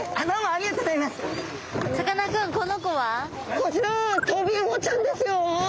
こちらはトビウオちゃんですよ。